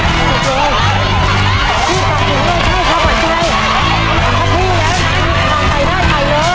เปิดเลยเร็วเร็วเร็วเร็วเร็ว